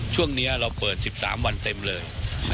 ช่วงนี้เราเปิด๑๓วันเต็มเลย